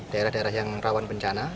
daerah daerah yang rawan bencana